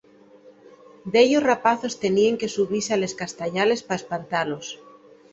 Dellos rapazos teníen que subise a les castañales pa espantalos.